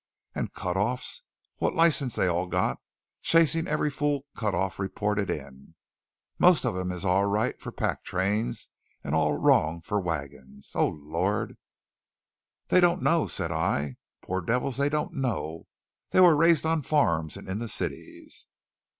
And cut offs! What license they all got chasin' every fool cut off reported in? Most of 'em is all right fer pack trains and all wrong fer wagons! Oh, Lord!" "They don't know," said I, "poor devils, they don't know. They were raised on farms and in the cities."